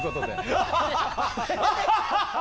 アハハハ！